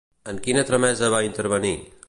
En quina tramesa va intervenir?